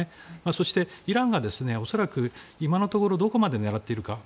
そして、イランが恐らく今のところどこまで狙っているか。